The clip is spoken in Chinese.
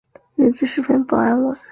日子十分不安稳